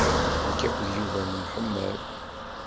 Nekk akked Yuba nemḥemmal.